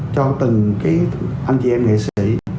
cho từng cái anh chị em nghệ sĩ